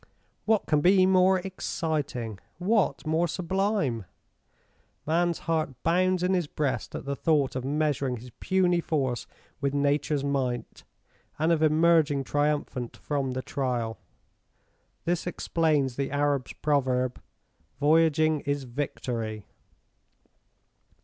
What can be more exciting? what more sublime? Man's heart bounds in his breast at the thought of measuring his puny force with Nature's might, and of emerging triumphant from the trial. This explains the Arab's proverb, "Voyaging is victory."